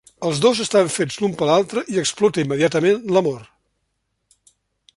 Els dos estan fets l'un per l'altre i explota immediatament l'amor.